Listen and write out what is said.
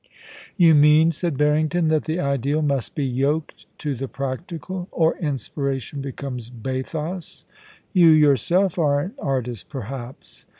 'You mean,' said Harrington, *that the ideal must be yoked to the practical, or inspiration becomes bathos. You yourself are an artist, perhaps